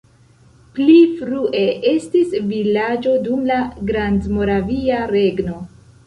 Pli frue estis vilaĝo dum la Grandmoravia Regno.